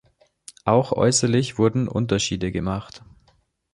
Auch äußerlich wurden Unterschiede gemacht.